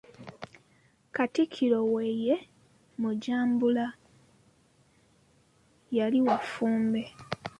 Katikkiro we ye Mujambula yali wa Ffumbe.